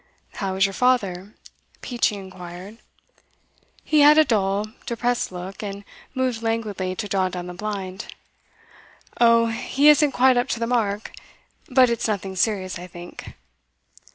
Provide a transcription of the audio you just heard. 'How is your father?' Peachey inquired. He had a dull, depressed look, and moved languidly to draw down the blind. 'Oh, he isn't quite up to the mark. But it's nothing serious, I think.